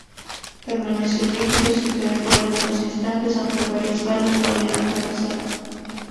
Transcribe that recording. Permaneció rígido, sin caer por algunos instantes, aunque varias balas lo habían atravesado.